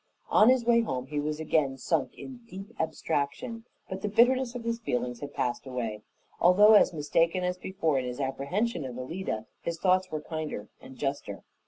On his way home he was again sunk in deep abstraction, but the bitterness of his feeling had passed away. Although as mistaken as before in his apprehension of Alida, his thoughts were kinder and juster.